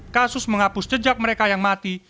kasus menghapus jejak mereka yang mati